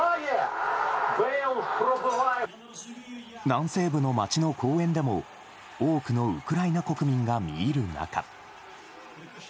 南西部の街の公園でも多くのウクライナ国民が見入る中。